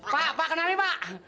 pak pak kenalin pak